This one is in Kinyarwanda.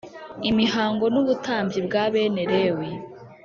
Imihago n ubutambyi bwa bene lewi